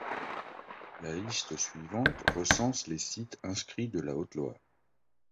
La liste suivante recense les sites inscrits de la Haute-Loire.